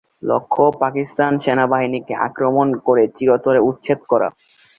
লক্ষ্য পাকিস্তান সেনাবাহিনীকে আক্রমণ করে চিরতরে উচ্ছেদ করা।